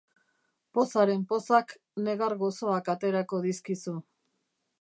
Pozaren pozak negar gozoak aterako dizkizu.